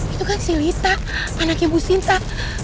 itu kan silita anaknya businta